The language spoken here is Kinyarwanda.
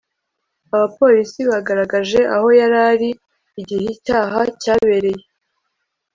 abapolisi bagaragaje aho yari ari igihe icyaha cyabereye